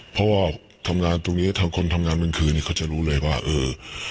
เพราะว่าทำงานตรงนี้ทำคนทำงานกลางคืนเนี้ยเขาจะรู้เลยว่าเออ